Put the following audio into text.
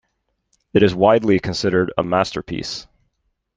It is widely considered a masterpiece.